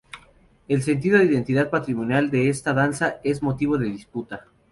El sentido de identidad patrimonial de esta danza es motivo de disputa.